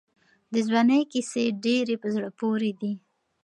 د ځوانۍ کیسې ډېرې په زړه پورې دي.